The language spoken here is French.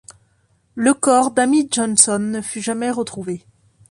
Le corps d’Amy Johnson ne fut jamais retrouvé.